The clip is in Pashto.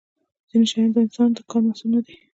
ځینې شیان د انسان د کار محصول نه دي.